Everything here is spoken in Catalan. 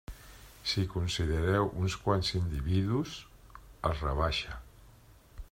Si considereu uns quants individus, els rebaixa.